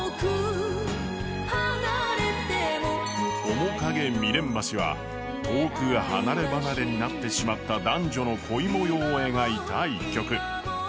「面影・未練橋」は遠く離れ離れになってしまった男女の恋模様を描いた１曲。